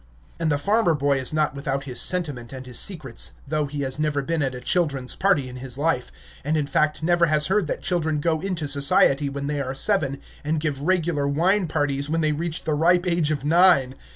And the farmer boy is not without his sentiment and his secrets, though he has never been at a children's party in his life, and, in fact, never has heard that children go into society when they are seven, and give regular wine parties when they reach the ripe age of nine.